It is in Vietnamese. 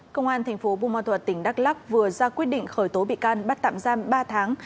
công an thành phố bù ma thuật tỉnh đắk lắc vừa ra quyết định khởi tố bị can bắt tạm giam ba tháng